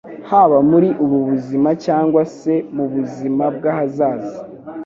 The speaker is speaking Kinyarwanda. haba muri ubu buzima cyangwa se mu buzima bw'ahazaza.